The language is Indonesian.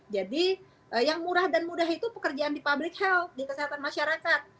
jadi yang murah dan mudah itu pekerjaan di public health di kesehatan masyarakat